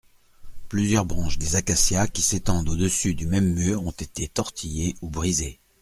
Plusieurs branches des acacias qui s'étendent au-dessus du même mur ont été tortillées ou brisées.